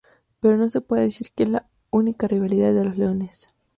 Pero no se puede decir que es la única rivalidad de los Leones.